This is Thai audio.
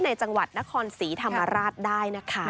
ในจังหวัดนครศรีธรรมราชได้นะคะ